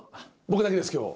僕だけです今日。